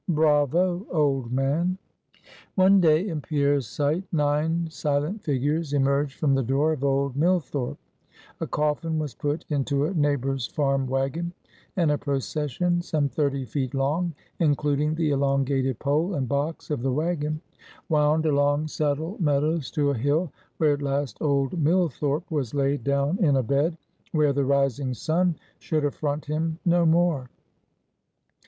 Bravo, old man!" One day, in Pierre's sight, nine silent figures emerged from the door of old Millthorpe; a coffin was put into a neighbor's farm wagon; and a procession, some thirty feet long, including the elongated pole and box of the wagon, wound along Saddle Meadows to a hill, where, at last, old Millthorpe was laid down in a bed, where the rising sun should affront him no more.